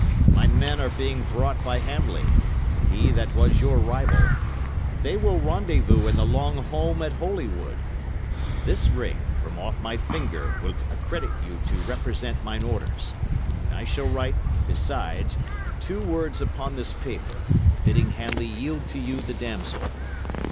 My men are being brought by Hamley he that was your rival; they will rendezvous in the long holm at Holywood; this ring from off my finger will accredit you to represent mine orders; and I shall write, besides, two words upon this paper, bidding Hamley yield to you the damsel.